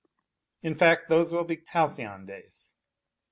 In fact, those will be halcyon days.